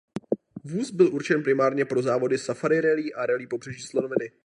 Vůz byl určen primárně pro závody Safari rallye a Rallye Pobřeží slonoviny.